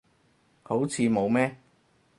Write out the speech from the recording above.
好似冇咩